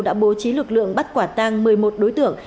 đã bố trí lực lượng bắt quả tang một mươi một đối tượng